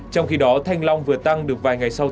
trong khi đó thanh long vừa tăng được vài ngày sau